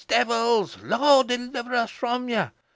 devils! Lort deliver us fro' ye!'